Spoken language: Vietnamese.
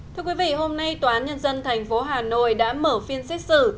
thưa quý vị hôm nay tòa án nhân dân thành phố hà nội đã mở phiên xét xử